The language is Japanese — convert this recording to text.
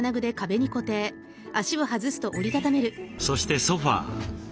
そしてソファー。